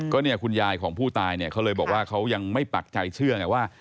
ก็เนี่ยคุณยายของผู้ตายเนี่ยเขาเลยบอกว่าเขายังไม่ปักใจเชื่อไงว่า